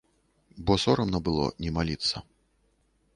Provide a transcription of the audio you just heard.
Бо сорамна было не маліцца.